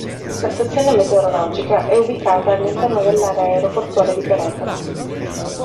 La stazione meteorologica è ubicata all'interno dell'area aeroportuale di Peretola.